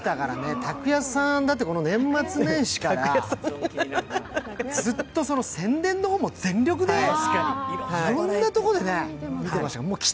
拓哉さん、年末年始から宣伝の方も全力で、いろんなところで見てました。